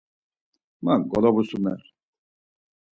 Man golavusumer.